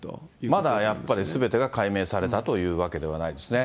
まだやっぱりすべてが解明されたというわけではないですね。